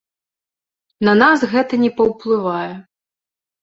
На нас гэта не паўплывае.